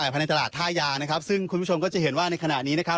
ภายในตลาดท่ายานะครับซึ่งคุณผู้ชมก็จะเห็นว่าในขณะนี้นะครับ